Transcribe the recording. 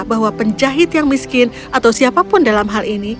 bahwa penjahit yang miskin atau siapapun dalam hal ini